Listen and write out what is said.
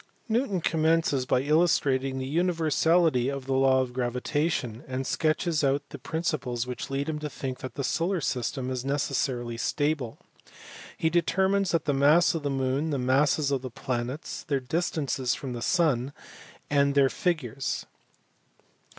Newton commences by illustrating the universality of the law of gravitation, and sketches out the principles which lead him to think that the solar system is necessarily stable : he determines the mass of the moon, the masses of the planets, their distances from the sun, and their figures.